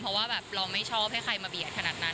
เพราะว่าแบบเราไม่ชอบให้ใครมาเบียดขนาดนั้น